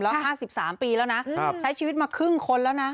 แล้ว๕๓ปีแล้วนะใช้ชีวิตมาครึ่งคนแล้วนะ